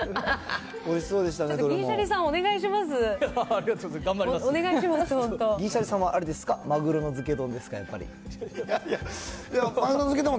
おいしそうでしたね、どれも。